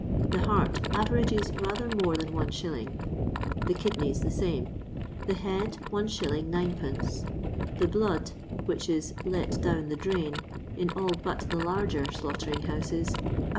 The heart averages rather more than Is. ; the kidneys the same ; the head, Is. 9(2. ; the blood (which is " let down the 'drain " in all but the larger slaughtering houses) 1^(^.